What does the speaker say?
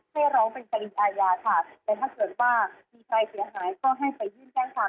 ให้ร้องเป็นคดีอาญาค่ะแต่ถ้าเกิดว่ามีใครเสียหายก็ให้ไปยื่นแจ้งความ